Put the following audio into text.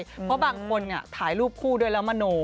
เพราะบางคนถ่ายรูปคู่ด้วยแล้วมโน